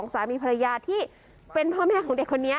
สามีภรรยาที่เป็นพ่อแม่ของเด็กคนนี้